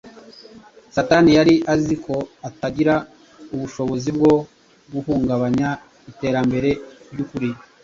Satani yari azi ko atagira ubushobozi bwo guhungabanya iterambere ry’ukuri